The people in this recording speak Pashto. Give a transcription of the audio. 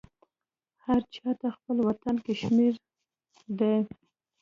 هرچاته خپل وطن کشمیردی